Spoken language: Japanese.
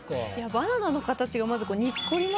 バナナの形がまず。